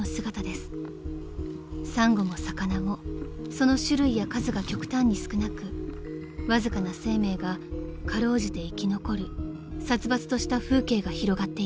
［サンゴも魚もその種類や数が極端に少なくわずかな生命が辛うじて生き残る殺伐とした風景が広がっています］